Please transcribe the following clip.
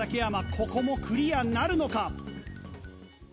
ここもクリアなるのか！？